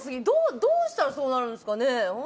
どうしたらそうなるんですかね。